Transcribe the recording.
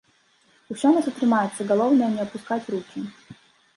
Усё у нас атрымаецца, галоўнае не апускаць рукі.